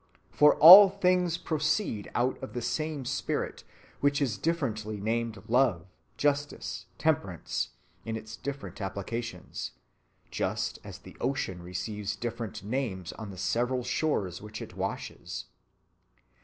For all things proceed out of the same spirit, which is differently named love, justice, temperance, in its different applications, just as the ocean receives different names on the several shores which it washes.